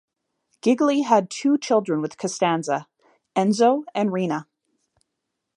Gigli had two children with Costanza: Enzo and Rina.